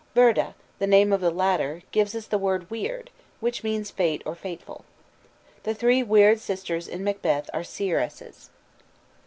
Vurdh, the name of the latter, gives us the word "weird," which means fate or fateful. The three Weird Sisters in Macbeth are seeresses.